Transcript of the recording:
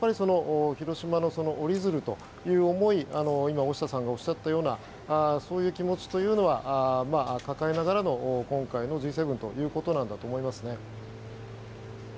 広島の折り鶴という思いを今、大下さんがおっしゃったようなそういう気持ちを抱えながらの今回のＧ７ということだと思いますね。